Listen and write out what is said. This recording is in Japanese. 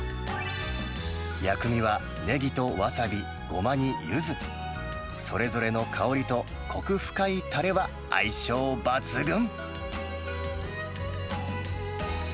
薬味はネギとわさび、ゴマにユズ、それぞれの香りと、こく深いたれは相性抜群。